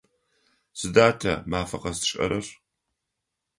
Сыда тэ мафэ къэс тшӏэрэр?